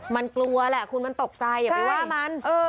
มันกลัวแหละคุณมันตกใจอย่าไปว่ามัน